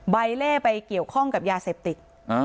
ใบเล่ไปเกี่ยวข้องกับยาเสพติด